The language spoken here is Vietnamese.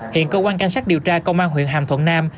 hiện cơ quan cảnh sát điều tra công an huyện hàm thuận nam